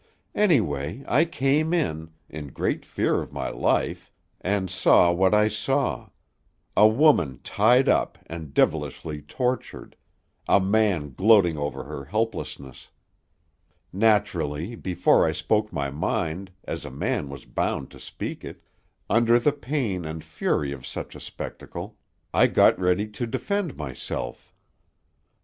Anyway, I came in, in great fear of my life, and saw what I saw a woman tied up and devilishly tortured, a man gloating over her helplessness. Naturally, before I spoke my mind, as a man was bound to speak it, under the pain and fury of such a spectacle, I got ready to defend myself.